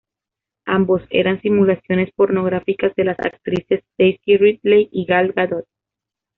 Ambos eran simulaciones pornográficas de las actrices Daisy Ridley y Gal Gadot.